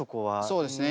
そうですね